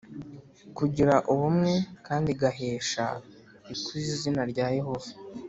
kugira ubumwe kandi igahesha ikuzo izina rya Yehova